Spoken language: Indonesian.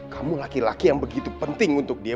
kamu laki laki yang begitu penting untuk dia